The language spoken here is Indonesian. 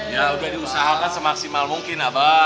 ya udah diusahakan semaksimal mungkin